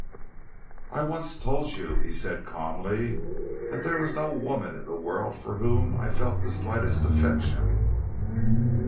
"I once told you," he said calmly, "that there was no woman in the world for whom I felt the slightest affection."